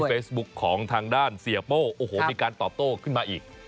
เฟซบุ๊คของทางด้านเสียโป้โอ้โหมีการตอบโต้ขึ้นมาอีก